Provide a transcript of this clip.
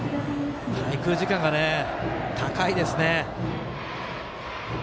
滞空時間がね、高いですね。